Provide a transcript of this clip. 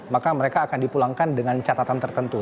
maka mereka akan dipulangkan dengan catatan tertentu